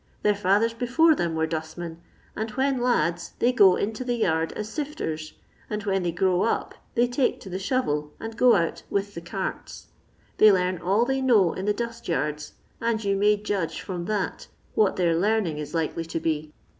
Their &thers before them were dustmen, and when lads they go into the yard as sifters, and when they grow up they take to the shovel, and go out with the carts. They learn all they know in the dust Yards, and you may judge from that what their learning is likely to be.